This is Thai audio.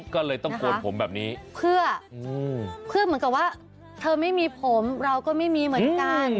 ก็เลยต้องโกนผมแบบนี้เพื่อเหมือนกับว่าเธอไม่มีผมเราก็ไม่มีเหมือนกัน